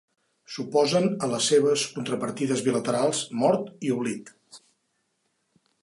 S'oposen a les seves contrapartides bilaterals Mort i Oblit.